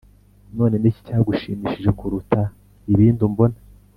none n’iki cyagushimishije kuruta ibindi umbona?